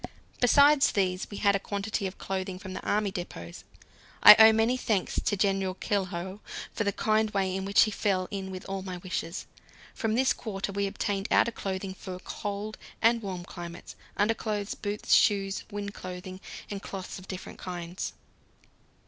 Besides these we had a quantity of clothing from the army depots. I owe many thanks to General Keilhau for the kind way in which he fell in with all my wishes. From this quarter we obtained outer clothing for both cold and warm climates, underclothes, boots, shoes, wind clothing, and cloths of different kinds.